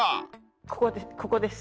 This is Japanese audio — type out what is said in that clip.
ここです